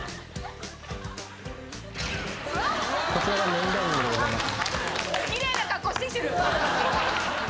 こちらがメインダイニングでございます。